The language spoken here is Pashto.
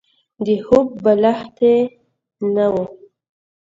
د خوب بالښت يې نه وو.